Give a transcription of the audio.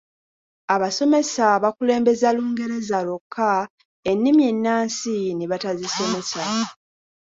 Abasomesa bakulembeza Lungereza lwokka ennimi ennansi ne batazisomesa.